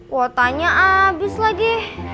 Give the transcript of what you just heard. wotanya abis lagi